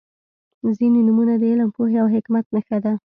• ځینې نومونه د علم، پوهې او حکمت نښه ده.